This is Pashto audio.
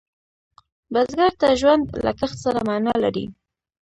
بزګر ته ژوند له کښت سره معنا لري